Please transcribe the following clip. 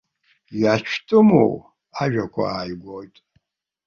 Иацәтәыму ажәақәа ааигоит.